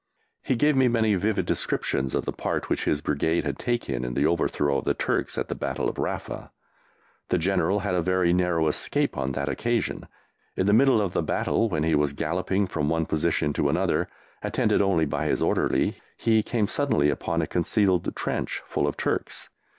He gave me many vivid descriptions of the part which his Brigade had taken in the overthrow of the Turks at the Battle of Rafa. The General had a very narrow escape on that occasion. In the middle of the battle, when he was galloping from one position to another, attended only by his orderly, he came suddenly upon a concealed trench full of Turks.